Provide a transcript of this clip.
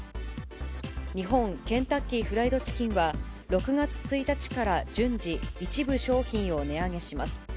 日本ケンタッキー・フライド・チキンは、６月１日から順次、一部商品を値上げします。